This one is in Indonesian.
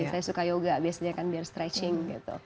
saya suka yoga biasanya kan biar stretching gitu